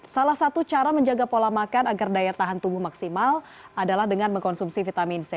salah satu cara menjaga pola makan agar daya tahan tubuh maksimal adalah dengan mengkonsumsi vitamin c